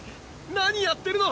何やってるの⁉